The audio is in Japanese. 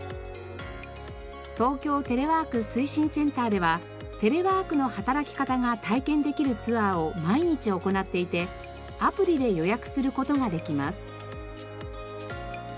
東京テレワーク推進センターではテレワークの働き方が体験できるツアーを毎日行っていてアプリで予約する事ができます。